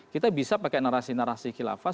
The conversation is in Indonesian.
kita bisa pakai narasi narasi kilafah